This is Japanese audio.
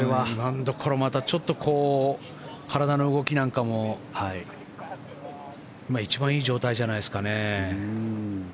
ちょっと体の動きなんかも今、一番いい状態なんじゃないですかね。